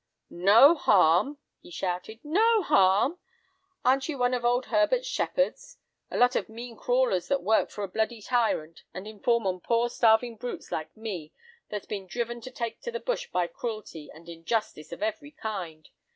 "'"No harm!" he shouted, "no harm! Aren't ye one of old Herbert's shepherds—a lot of mean crawlers that work for a bloody tyrant, and inform on poor starving brutes like me that's been driven to take to the bush by cruelty and injustice of every kind.